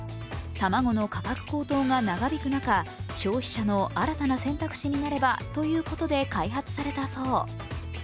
卵の価格高騰が長引く中、消費者の新たな選択肢になればということで開発されたそう。